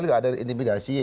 tidak ada intimidasi